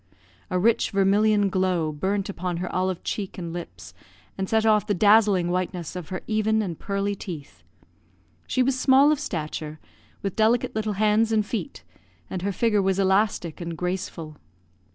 A rich vermilion glow burnt upon her olive cheek and lips, and set off the dazzling whiteness of her even and pearly teeth. She was small of stature, with delicate little hands and feet, and her figure was elastic and graceful.